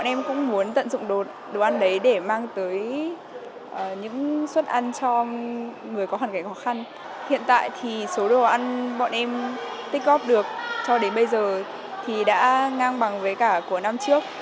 em tích góp được cho đến bây giờ thì đã ngang bằng với cả của năm trước